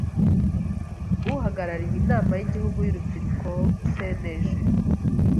Uhagarariye Inama y’Igihugu y’Urubyiruko (CNJ);